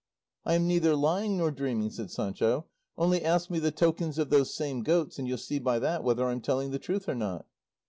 "I am neither lying nor dreaming," said Sancho; "only ask me the tokens of those same goats, and you'll see by that whether I'm telling the truth or not."